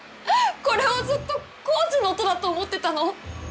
これをずっと工事の音だと思ってたの？